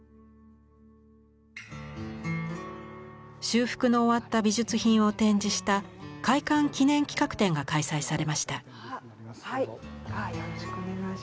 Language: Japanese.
修復の終わった美術品を展示した開館記念企画展が開催されました。